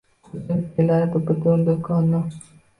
Ko’chirib kelardi butun do’konni.